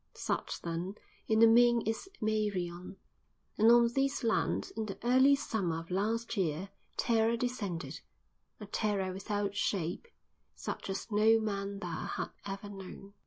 Such, then in the main is Meirion, and on this land in the early summer of last year terror descended—a terror without shape, such as no man there had ever known.